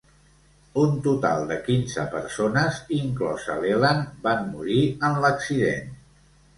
Un total de quinze persones, inclosa Leland, van morir en l'accident.